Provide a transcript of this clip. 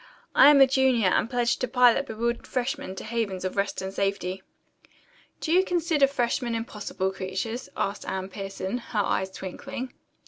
I am a junior and pledged to pilot bewildered freshmen to havens of rest and safety." "Do you consider freshmen impossible creatures?" asked Anne Pierson, her eyes twinkling.